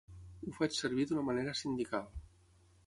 Ho faig servir d'una manera sindical.